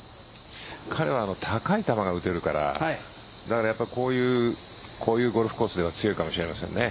彼は高い球が打てるからだからこういうゴルフコースでは強いかもしれませんね。